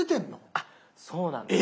あっそうなんです。